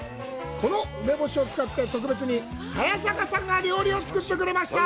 この梅干しを使って、特別に料理を作ってくださいました。